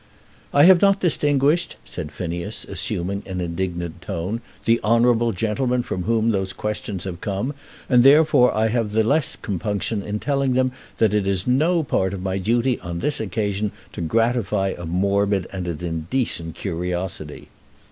"I have not distinguished," said Phineas, assuming an indignant tone, "the honourable gentlemen from whom those questions have come, and therefore I have the less compunction in telling them that it is no part of my duty on this occasion to gratify a morbid and an indecent curiosity."